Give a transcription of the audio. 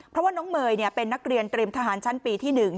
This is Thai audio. เพราะว่าน้องเมย์เป็นนักเรียนเตรียมทหารชั้นปีที่๑